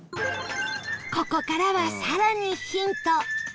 ここからは、更にヒント